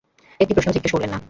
একটি প্রশ্নও জিজ্ঞেস করলেন না।